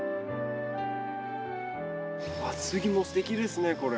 次もすてきですねこれ。